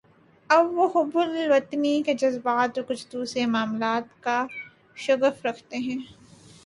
اب وہ حب الوطنی کے جذبات اور کچھ دوسرے معاملات کا شغف رکھتے ہیں۔